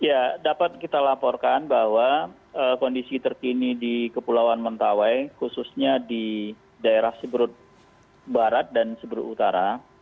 ya dapat kita laporkan bahwa kondisi terkini di kepulauan mentawai khususnya di daerah seberut barat dan seberut utara